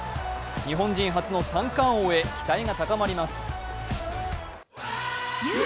日本人初の三冠王へ期待が高まります。